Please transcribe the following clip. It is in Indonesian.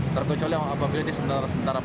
terkecuali apa apa di sementara malam